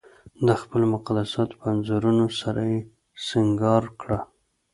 د خپلو مقدساتو په انځورونو سره یې سنګار کړه.